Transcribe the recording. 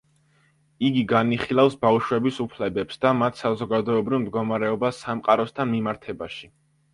იგი განიხილავს ბავშვების უფლებებს და მათ საზოგადოებრივ მდგომარეობას სამყაროსთან მიმართებაში.